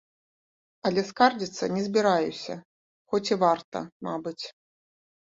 Але скардзіцца не збіраюся, хоць і варта, мабыць.